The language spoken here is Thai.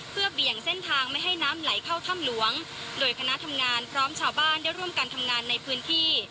เพื่อเบี่ยงเส้นทางไม่ให้น้ำไหลเข้าถ้ำหลวงโดยคณะทำงานพร้อมชาวบ้านได้ร่วมกันทำงานในพื้นที่